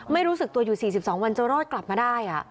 รู้สึกตัวอยู่๔๒วันจะรอดกลับมาได้